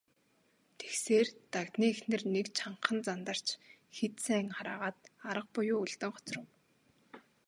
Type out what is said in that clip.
Тэгсээр, Дагданы эхнэр нэг чангахан зандарч хэд сайн хараагаад арга буюу үлдэн хоцров.